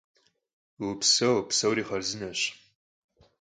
Vupseu, psori xharzıneş.